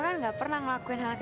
kamu terlambat dua puluh tujuh menit